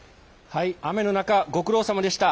雨の中ご苦労さまでした。